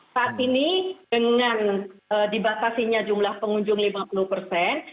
saat ini dengan dibatasinya jumlah pengunjung lima puluh persen